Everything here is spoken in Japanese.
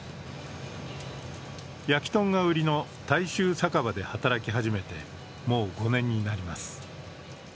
焼きとんが売りの大衆酒場で働き始めてもう５年になります。